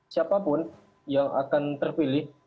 siapapun yang akan terpilih